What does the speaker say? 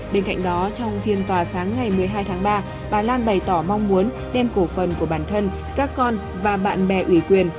bên cạnh đó trong phiên tòa sáng ngày một mươi hai tháng ba bà lan bày tỏ mong muốn đem cổ phần của bản thân các con và bạn bè ủy quyền